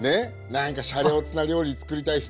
何かシャレオツな料理つくりたい人。